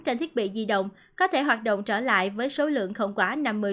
trên thiết bị di động có thể hoạt động trở lại với số lượng không quá năm mươi